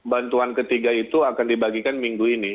bantuan ketiga itu akan dibagikan minggu ini